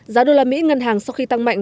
giá đô la mỹ ngân hàng sau khi tăng mạnh